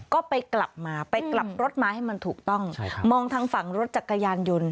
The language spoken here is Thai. ก็ไปกลับมาไปกลับรถมาให้มันถูกต้องใช่ครับมองทางฝั่งรถจักรยานยนต์